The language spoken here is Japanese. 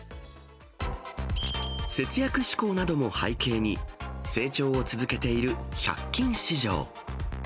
節約志向なども背景に、成長を続けている１００均市場。